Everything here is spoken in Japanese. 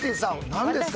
何ですか？